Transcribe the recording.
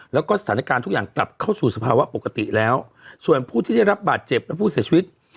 แล้วก็สถานการณ์ทุกอย่างกลับเข้าสู่สภาวะปกติแล้วส่วนผู้ที่ได้รับบาดเจ็บและผู้เสียชีวิต